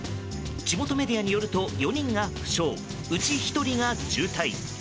地元メディアによると４人が負傷うち１人が重体。